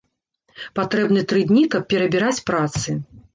Патрэбны тры дні, каб перабіраць працы.